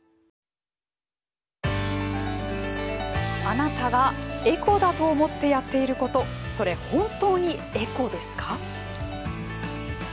あなたがエコだと思ってやっていることそれ本当にエコですか？